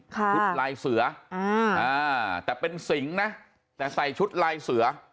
ชุดลายเสือแต่เป็นสิงนะแต่ใส่ชุดลายเสือ